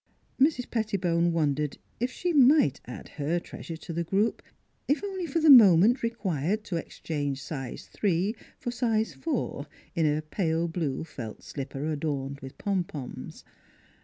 Mrs. Pettibone wondered if she might add her treasure to the group if only for the moment required to exchange size three for size four in a pale blue felt slipper adorned with pompons.